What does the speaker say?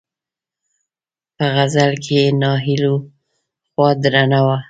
په غزل کې یې د ناهیلیو خوا درنه وه.